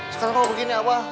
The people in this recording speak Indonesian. sekarang kalau begini abah